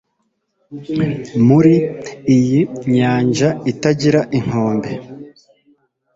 muri iyi nyanja itagira inkombe